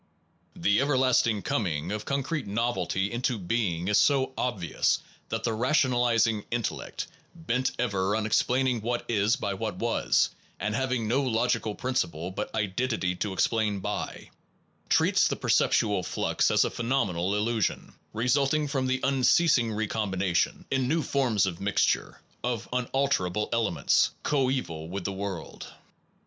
1 The everlasting coming of concrete novelty into being is so obvious that the rationalizing intellect, bent ever on explaining what is by what was, and having no logical principle but identity to explain by, treats the perceptual flux as a phenomenal illusion, resulting from the unceasing re combination in new forms of mix ture, of unalterable elements, coeval with the Science world.